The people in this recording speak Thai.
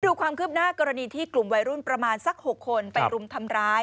ดูความคืบหน้ากรณีที่กลุ่มวัยรุ่นประมาณสัก๖คนไปรุมทำร้าย